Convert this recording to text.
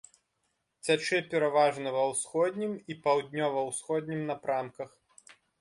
Цячэ пераважна ва ўсходнім і паўднёва-ўсходнім напрамках.